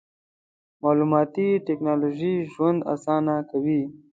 مالوماتي ټکنالوژي ژوند اسانه کوي.